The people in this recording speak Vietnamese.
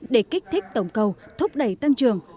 để kích thích tổng cầu thúc đẩy tăng trưởng